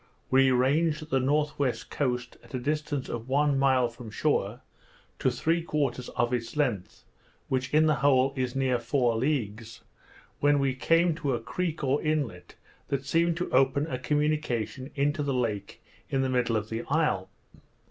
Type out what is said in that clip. We ranged the northwest coast, at the distance of one mile from shore, to three quarters of its length, which in the whole is near four leagues, when we came to a creek or inlet that seemed to open a communication into the lake in the middle of the isle.